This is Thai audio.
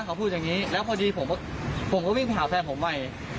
เขาพูดอย่างนี้แล้วพอดีผมก็วิ่งไปหาแฟนผมใหม่